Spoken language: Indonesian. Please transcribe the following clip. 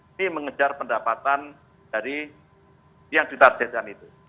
ini mengejar pendapatan dari yang ditargetkan itu